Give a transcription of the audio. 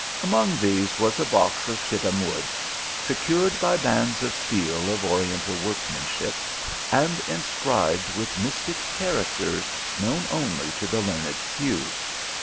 Among these, was a box of shittim wood, secured by bands of steel of oriental workmanship, and inscribed with mystic characters known only to the learned few.